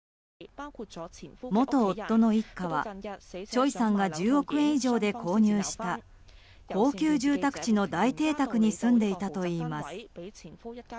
元夫の一家は、チョイさんが１０億円以上で購入した高級住宅地の大邸宅に住んでいたといいます。